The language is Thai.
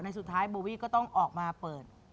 สุดท้ายโบวี่ก็ต้องออกมาเปิด